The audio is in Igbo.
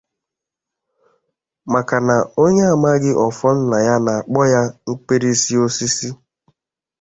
maka na onye amaghị ọfọ nna ya na-akpọ ya mkpìrìsì osisi